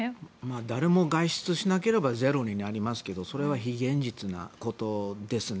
誰も外出しなければゼロになりますけどそれは非現実なことですね。